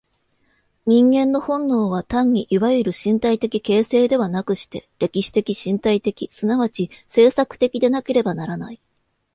人間の本能は単にいわゆる身体的形成ではなくして、歴史的身体的即ち制作的でなければならない。